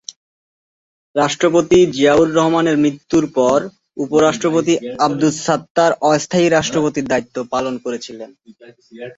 রাষ্ট্রপতি জিয়াউর রহমানের মৃত্যুর পর উপরাষ্ট্রপতি আব্দুস সাত্তার অস্থায়ী রাষ্ট্রপতির দায়িত্ব পালন করেছিলেন।